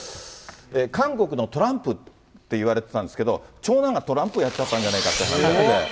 韓国のトランプっていわれてたんですけど、長男がトランプやっちゃったんじゃないかという話で。